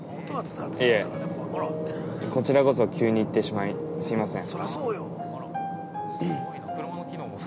◆いえ、こちらこそ急に言ってしまい、すいません。